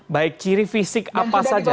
baik ciri fisik apa saja